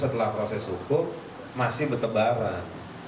setelah proses hukum masih bertebaran